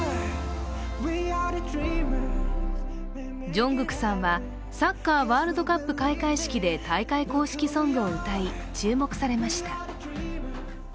ＪＵＮＧＫＯＯＫさんはサッカーワールドカップ開会式で大会公式ソングを歌い注目されました。